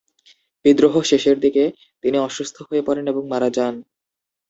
বিদ্রোহ শেষের দিকে, তিনি অসুস্থ হয়ে পড়েন এবং মারা যান।